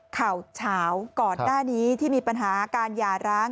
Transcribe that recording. เฉาก่อนหน้านี้ที่มีปัญหาการหย่าร้าง